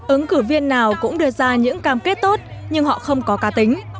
ứng cử viên nào cũng đưa ra những cam kết tốt nhưng họ không có cá tính